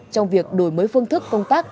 trong việc đổi mới phương thức công tác